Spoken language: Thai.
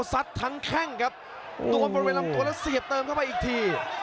ทั้งแข้งครับตัวบริเวณลำตัวแล้วเสียบเติมเข้าไปอีกที